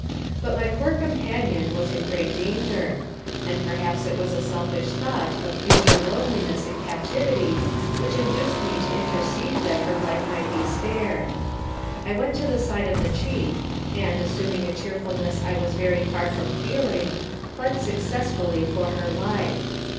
But my poor companion was in great danger, and perhaps it was a selfish thought of future loneliness in captivity which induced me to intercede that her life might be spared. I went to the side of the chief, and, assuming a cheerfulness I was very far from feeling, plead successfully for her life.